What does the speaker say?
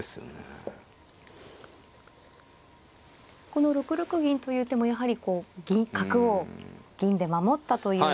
この６六銀という手もやはりこう角を銀で守ったという。